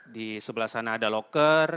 di sebelah sana ada loker